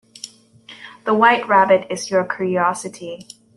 The White Rabbit is your curiosity.